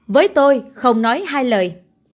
với tôi không nói hai lời